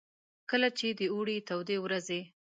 کله چې د اوړې تودې ورځې.